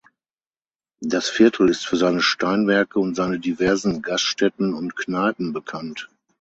Das Viertel ist für seine Steinwerke und seine diversen Gaststätten und Kneipen bekannt.